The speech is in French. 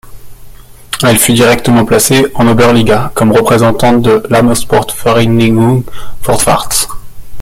Elle fut directement placée en Oberliga comme représentante de l'Armeesportvereinigung Vorwärts.